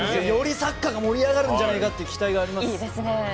よりサッカーが盛り上がるという期待があります。